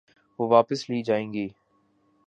وہ واپس لی جائیں گی۔